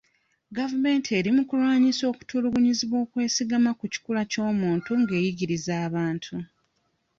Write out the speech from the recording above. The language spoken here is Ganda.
Gavumenti eri mu kulwanyisa okutulugunyizibwa okwesigama ku kikula ky'omuntu ng'eyigiriza abantu.